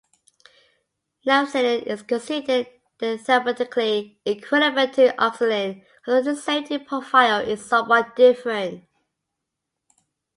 Nafcillin is considered therapeutically equivalent to oxacillin, although its safety profile is somewhat different.